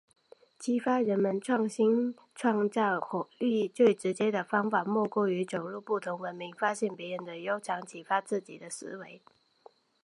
激发人们创新创造活力，最直接的方法莫过于走入不同文明，发现别人的优长，启发自己的思维。